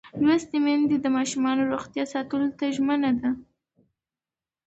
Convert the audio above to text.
لوستې میندې د ماشوم روغتیا ساتلو ته ژمنه ده.